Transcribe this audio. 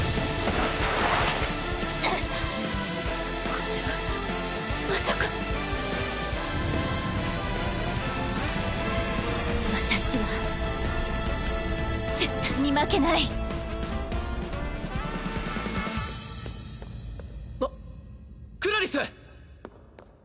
これはまさか私は絶対に負けないあっクラリス！